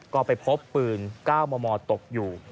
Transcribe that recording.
ก็ไปพบปืน๙มมตกอยู่